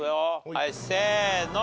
はいせーの！